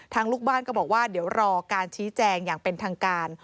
ลูกบ้านก็บอกว่าเดี๋ยวรอการชี้แจงอย่างเป็นทางการ